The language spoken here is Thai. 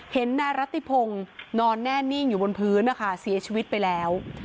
เห็นนายรัติพงศ์นอนแน่นิ่งอยู่บนพื้นนะคะเสียชีวิตไปแล้ว